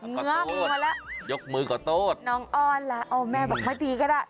เงือกมาแล้วน้องอ้อนล่ะโอ้แม่บอกให้ตีก็ได้